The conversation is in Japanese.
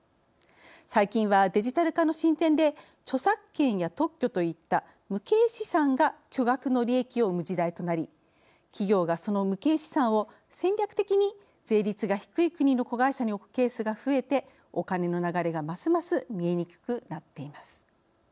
最近はデジタル化の進展で著作権や特許といった無形資産が巨額の利益を生む時代となり企業がその無形資産を戦略的に税率が低い国の子会社に置くケースが増えてお金の流れがますます見えにくくなっています。